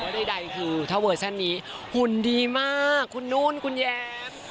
ใดคือถ้าเวอร์ชันนี้หุ่นดีมากคุณนุ่นคุณแย้ม